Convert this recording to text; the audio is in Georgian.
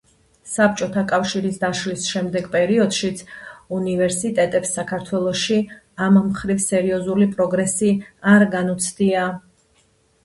საბჭოთა კავშირის დაშლის შემდეგ პერიოდშიც უნივერსიტეტებს საქართველოში ამ მხრივ სერიოზული პროგრესი არ განუცდია.